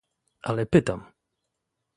Ale pytam